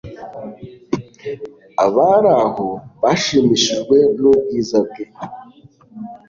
Abari aho bashimishijwe nubwiza bwe